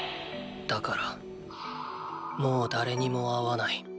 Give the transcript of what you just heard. だからもう誰にも会わない。